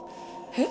え？